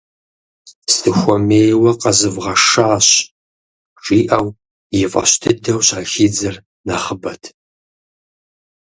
Сыхуэмейуэ къэзывгъэшащ! - жиӏэу, и фӏэщ дыдэу щахидзэр нэхъыбэт.